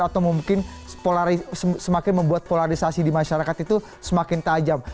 atau mungkin semakin membuat polarisasi di masyarakat itu semakin tajam